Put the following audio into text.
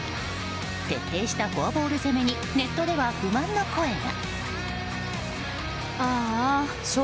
徹底したフォアボール攻めにネットでは不満の声が。